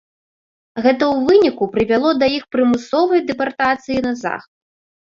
Гэта ў выніку прывяло да іх прымусовай дэпартацыі на захад.